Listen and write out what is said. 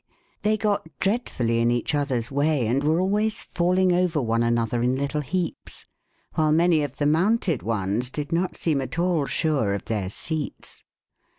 They got dreadfully in each others way, and were always falling over one another in little heaps, while many of the mounted ones did not seem at all sure of their seats.